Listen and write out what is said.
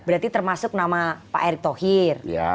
berarti termasuk nama pak erick thohir